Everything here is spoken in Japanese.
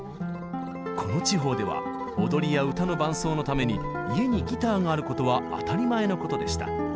この地方では踊りや歌の伴奏のために家にギターがあることは当たり前のことでした。